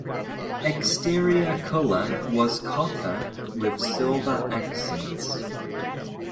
Exterior colour was copper with silver accents.